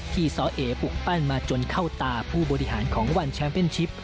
ซ้อเอปลุกปั้นมาจนเข้าตาผู้บริหารของวันแชมป์เป็นชิป